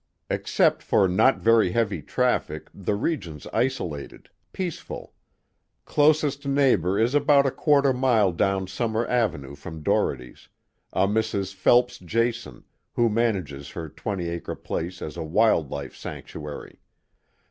Except for not very heavy traffic, the region's isolated. Peaceful. Closest neighbor is about a quarter mile down Summer Avenue from Dohertys', a Mrs. Phelps Jason, who manages her twenty acre place as a wild life sanctuary.